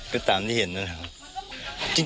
ก็ตามที่เห็นนะครับ